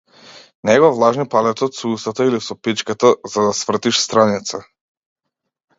Не го влажни палецот со устата или со пичката за да свртиш страница.